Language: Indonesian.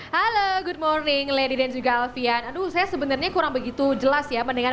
halo good morning lady dan juga alfian aduh saya sebenarnya kurang begitu jelas ya mendengar